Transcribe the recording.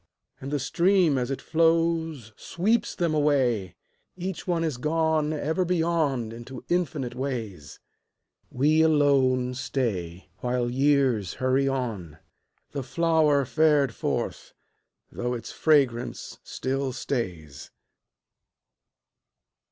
And the stream as it flows Sweeps them away, Each one is gone Ever beyond into infinite ways. We alone stay While years hurry on, The flower fared forth, though its fragrance still stays.